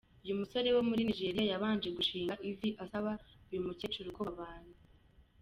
Uyu musore wo muri Nigeria yabanje gushinga ivi asaba uyu mukecuru ko babana.